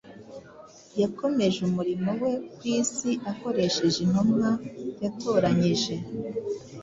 yakomeje umurimo we ku isi akoresheje intumwa yatoranyije